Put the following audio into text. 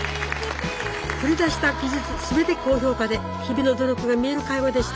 繰り出した技術全て高評価で日々の努力が見える介護でした。